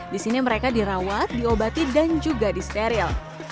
di sini mereka dirawat diobati dan juga disteril